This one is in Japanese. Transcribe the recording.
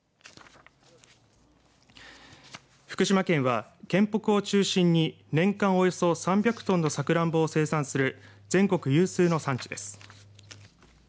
福島県は県北を中心に年間およそ３００トンのサクランボを生産する全国有数の産地です。